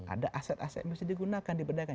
ada aset aset yang bisa digunakan diberdayakan